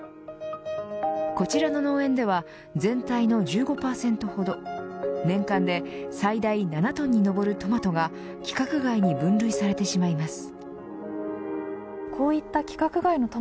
こちらの農園では全体の１５％ほど年間で最大７トンに上るトマトが規格外に分類されてしまいます。